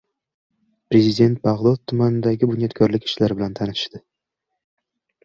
Prezident Bag‘dod tumanidagi bunyodkorlik ishlari bilan tanishdi